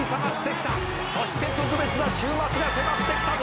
「そして特別な週末が迫ってきたぞ」